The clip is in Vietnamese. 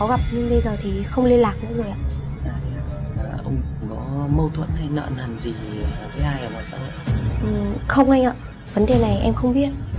gạch gói xây dựng